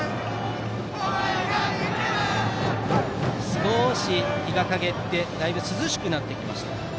少し日がかげってだいぶ涼しくなってきました。